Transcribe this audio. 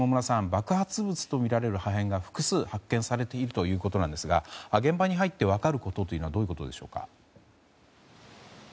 爆発物とみられる破片が複数発見されているということですが現場に入って分かることはどういうことでしょうか。